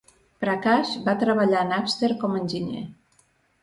Prakash va treballar a Napster com a enginyer.